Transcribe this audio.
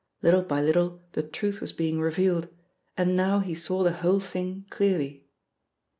Little by little the truth was being revealed, and now he saw the whole thing clearly.